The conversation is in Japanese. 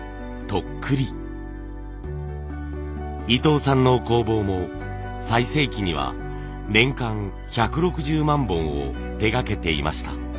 伊藤さんの工房も最盛期には年間１６０万本を手がけていました。